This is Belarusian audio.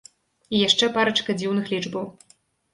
І яшчэ парачка дзіўных лічбаў.